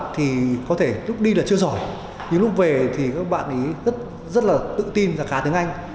thì có thể lúc đi là chưa giỏi nhưng lúc về thì các bạn ấy rất là tự tin và khá tiếng anh